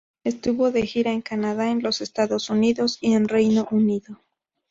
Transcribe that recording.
Estuvo de gira en Canadá, en los Estados Unidos y en Reino Unido.